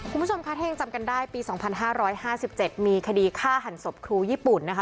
คุณผู้ชมคะถ้ายังจำกันได้ปี๒๕๕๗มีคดีฆ่าหันศพครูญี่ปุ่นนะคะ